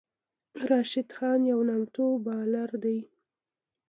راشد خان یو نامتو بالر دئ.